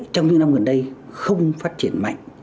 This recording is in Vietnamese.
trong những năm gần đây không phát triển mạnh